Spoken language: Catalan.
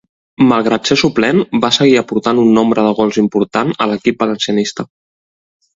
Malgrat ser suplent, va seguir aportant un nombre de gols important a l'equip valencianista.